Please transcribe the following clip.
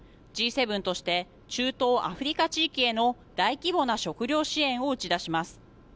Ｇ７として中東・アフリカ地域への大規模な食糧支援を打ち出します。